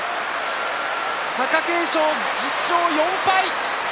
貴景勝、１０勝４敗。